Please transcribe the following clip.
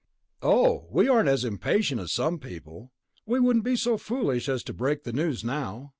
"Oh, we aren't as impatient as some people. We wouldn't be so foolish as to break the news now.